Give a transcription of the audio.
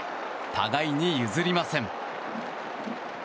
互いに譲りません。